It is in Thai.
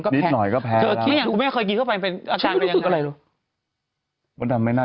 กันชาอยู่ในนี้